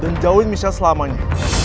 dan jauhin michelle selamanya